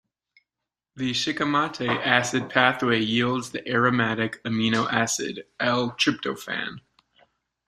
The Shikimate acid pathway yields the aromatic amino acid, L-tryptophan.